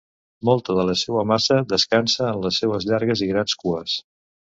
Molta de la seua massa descansa en les seues llargues i grans cues.